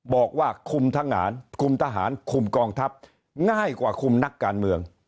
บอกว่าคุมทหารคุมทหารคุมกองทัพง่ายกว่าคุมนักการเมือง